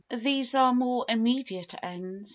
These are the more immediate ends.